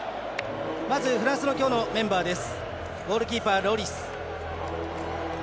まず、フランスの今日のメンバーです。